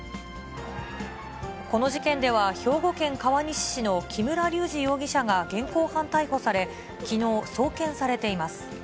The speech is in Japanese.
この事件では、兵庫県川西市の木村隆二容疑者が現行犯逮捕され、きのう、送検されています。